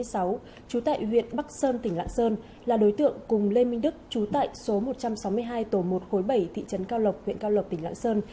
trú tại huyện bắc sơn tỉnh lạng sơn là đối tượng cùng lê minh đức trú tại số một trăm sáu mươi hai tổ một khối bảy thị trấn cao lộc huyện cao lộc tỉnh lạng sơn